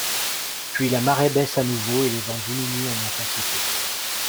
Puis la marée baisse à nouveau et les vents diminuent en intensité.